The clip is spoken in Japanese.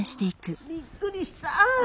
びっくりした。